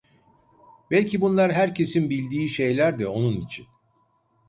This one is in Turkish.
Belki bunlar herkesin bildiği şeyler de onun için.